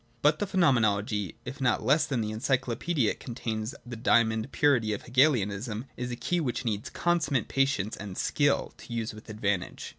But the Phenomenology, if not less than the Encyclopaedia it contains the diamond purity of Hegelianism, is a key which needs consummate patience and skill to use with advantage.